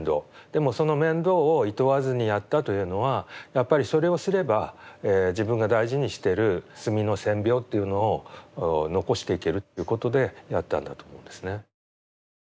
でもその面倒をいとわずにやったというのはやっぱりそれをすれば自分が大事にしてる墨の線描というのを残していけるということでやったんだと思うんですね。